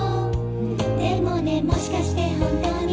「でもねもしかしてほんとーに」